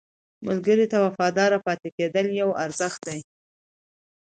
ملګری ته وفادار پاتې کېدل یو ارزښت دی